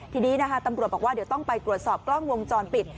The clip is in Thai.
ทีนี้นะคะตำรวจบอกว่าเดี๋ยวต้องไปตรวจสอบกล้องวงจรปิด